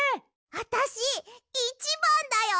あたしいちばんだよ！